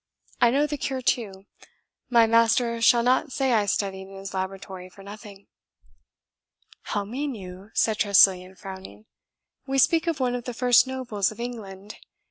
I know the cure too my master shall not say I studied in his laboratory for nothing." "How mean you?" said Tressilian, frowning; "we speak of one of the first nobles of England.